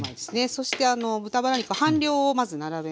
そして豚バラ肉半量をまず並べます。